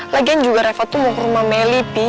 lagian juga refah tuh mau ke rumah meli pi